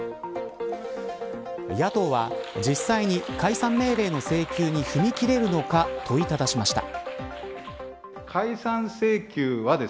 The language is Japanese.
野党は、実際に解散命令の請求に踏み切れるのか問いただしました。